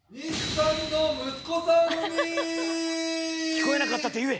「聞こえなかった」って言え！